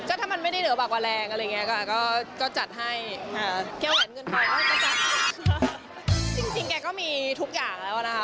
ก็ถ้ามันไม่ได้เหนือบากกว่าแรงอะไรอย่างนี้ค่ะ